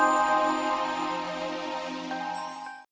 call kata yang di gateself